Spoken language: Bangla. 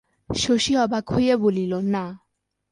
শশী অবাক হইয়া বলিল, না।